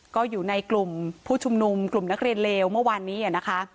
ก็อยู่ในกลุ่มผู้ชุมนุมกลุ่มนักเรียนเลวเมื่อวานนี้นะคะ